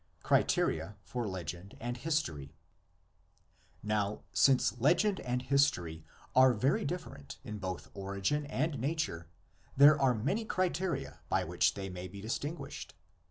CRITERIA FOR LEGEND AND HISTORY. Now, since legend and history are very different in both origin and nature, there are many criteria by which they may be distinguished.